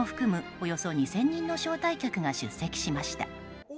およそ２０００人の招待客が出席しました。